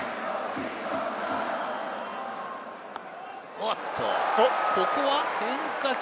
おっと、ここは変化球。